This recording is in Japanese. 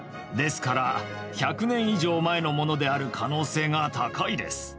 ですから１００年以上前のものである可能性が高いです。